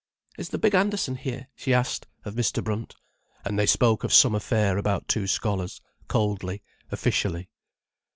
"Is the big Anderson here?" she asked of Mr. Brunt. And they spoke of some affair about two scholars, coldly, officially.